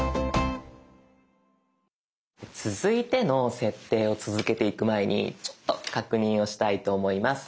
続いての設定を続けていく前にちょっと確認をしたいと思います。